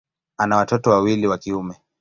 Ana watoto wawili wa kiume.